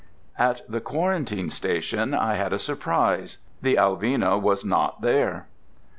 At the quarantine station I had a surprise. The Alvina was not there.